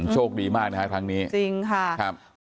โชคดีมากนะครับครั้งนี้จริงค่ะ